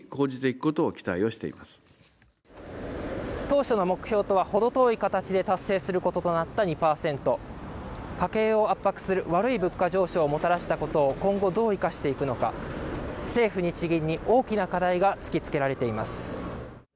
当初の目標とはほど遠い形で達成することとなった２％家計を圧迫する悪い物価上昇をもたらしたことを今後どう生かしていくのか政府日銀に大きな課題が突きつけられています